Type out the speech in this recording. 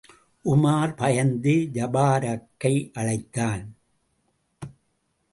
உமார் பயந்து ஜபாரக்கை அழைத்தான்.